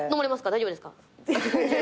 大丈夫ですか？